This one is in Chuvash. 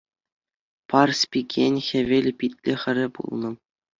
Парспикӗн хӗвел питлӗ хӗрӗ пулнӑ.